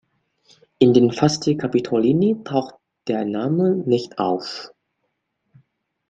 In den Fasti Capitolini taucht der Name nicht auf.